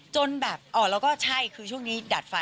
จนแบบอ๋อแล้วก็ใช่คือช่วงนี้ดัดฟัน